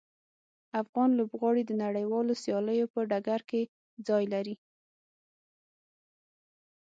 افغان لوبغاړي د نړیوالو سیالیو په ډګر کې ځای لري.